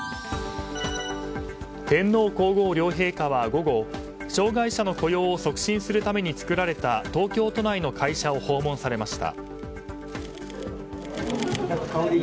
天皇・皇后両陛下は午後障害者の雇用を促進するために作られた東京都内の会社を訪問されました。